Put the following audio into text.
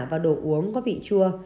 và đồ uống có vị chua